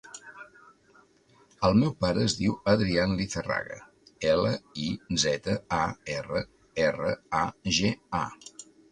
El meu pare es diu Adrián Lizarraga: ela, i, zeta, a, erra, erra, a, ge, a.